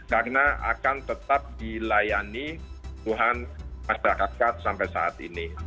karena akan tetap dilayani tuhan masyarakat sampai saat ini